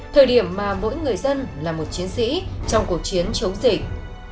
thời điểm mà mỗi người dân là một chiến sĩ trong cuộc chiến chống dịch